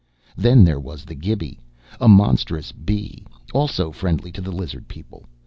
Then there was the Gibi, a monstrous bee, also friendly to the lizard people.